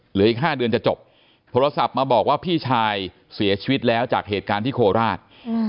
เหลืออีก๕เดือนจะจบโทรศัพท์มาบอกว่าพี่ชายเสียชีวิตแล้วจากเหตุการณ์ที่โคราช